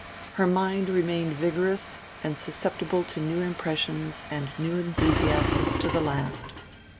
Her mind remained vigorous and susceptible to new impressions and new enthusiasms to the last.